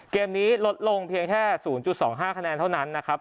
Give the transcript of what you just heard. เกมนี้ลดลงเพียงแค่๐๒๕คะแนนเท่านั้นนะครับ